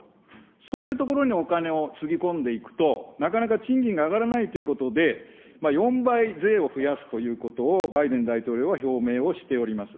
そういうところにお金をつぎ込んでいくと、なかなか賃金が上がらないということで、４倍税を増やすということを、バイデン大統領は表明をしております。